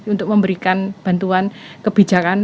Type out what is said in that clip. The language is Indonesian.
untuk memberikan bantuan kebijakan